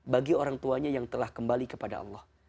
bagi orang tuanya yang telah kembali kepada allah